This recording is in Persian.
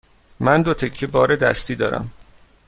من دو تکه بار دستی دارم.